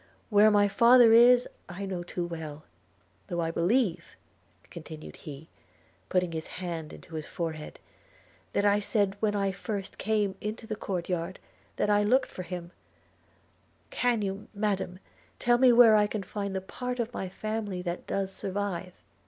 Where my father is I know too well, though I believe,' continued he, putting his hand to his forehead, 'that I said when I first came into the court yard, that I looked for him – Can you, Madam, tell me where I can find the part of my family that does survive?'